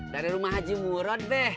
dari rumah haji murad be